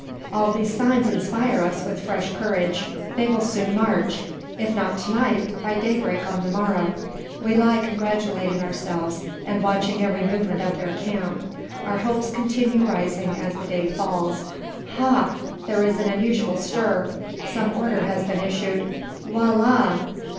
All these signs inspire us with fresh courage. They will soon march; if not to night, by daybreak on the morrow. We lie congratulating ourselves, and watching every movement of their camp. Our hopes continue rising as the day falls. Ha! there is an unusual stir. Some order has been issued. "Voila!"